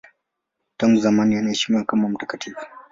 Tangu zamani anaheshimiwa kama mtakatifu.